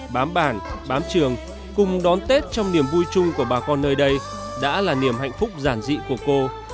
bám bản bám trường cùng đón tết trong niềm vui chung của bà con nơi đây đã là niềm hạnh phúc giản dị của cô